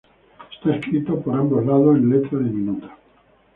Está escrito por ambos lados en letra diminuta.